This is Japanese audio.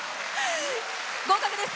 合格です。